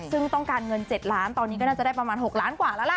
ซึ่งต้องการเงิน๗ล้านตอนนี้ก็น่าจะได้ประมาณ๖ล้านกว่าแล้วล่ะ